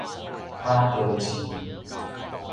馬公市